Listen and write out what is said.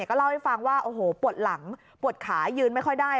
ก็เล่าให้ฟังว่าโอ้โหปวดหลังปวดขายืนไม่ค่อยได้